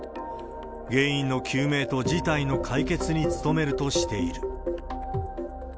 原因の究明と事態の解決に努めるとしている。